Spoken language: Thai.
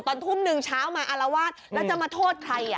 ตอนทุ่มหนึ่งเช้ามาอารวาสแล้วจะมาโทษใคร